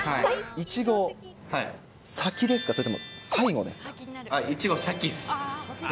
いちご、先ですか、それとも最後いちご、先っすね。